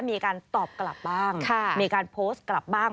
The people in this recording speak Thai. มีการตอบกลับบ้างมีการโพสต์กลับบ้าง